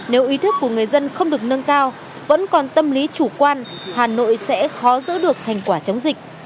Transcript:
nếu ý thức của người dân không được nâng cao vẫn còn tâm lý chủ quan hà nội sẽ khó giữ được thành quả chống dịch